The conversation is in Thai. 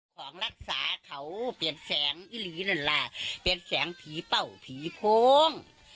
ของรักษาเขาเปลี่ยนแสงอีหลีนั่นล่ะเปลี่ยนแสงผีเป้าผีโพง